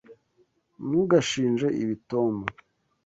Ntugashinje ibi Tom.